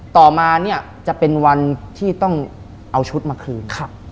ต่อมาเนี่ยจะเป็นวันที่ต้องเอาชุดมาคืน